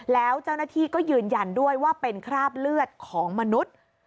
แล้วเจ้าหน้าที่ก็ยืนยันด้วยว่าเป็นคราบเลือดของมนุษย์